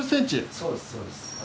そうですそうです。